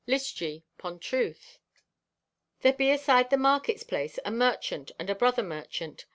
List ye. 'Pon truth." "There be aside the market's place a merchant and a brother merchant.